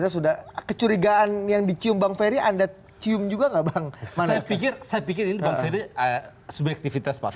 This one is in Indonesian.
sudah kecurigaan yang dicium bang ferry anda cium juga nggak bang mana pikir pikir